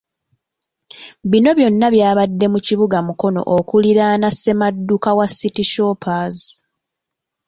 Bino byonna byabadde mu kibuga Mukono okuliraana Ssemaduuka wa City Shoppers.